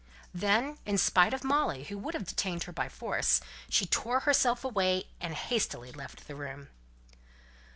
And then, in spite of Molly, who would have detained her by force, she tore herself away, and hastily left the room.